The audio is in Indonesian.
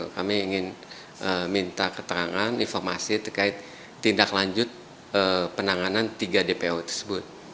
kami ingin minta keterangan informasi terkait tindak lanjut penanganan tiga dpo tersebut